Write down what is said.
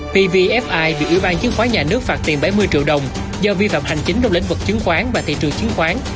pvfi bị ủy ban chứng khoán nhà nước phạt tiền bảy mươi triệu đồng do vi phạm hành chính trong lĩnh vực chứng khoán và thị trường chứng khoán